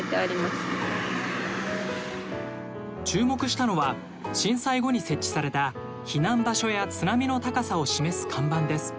注目したのは震災後に設置された避難場所や津波の高さを示す看板です。